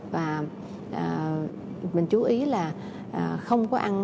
và mình chú ý là không có ăn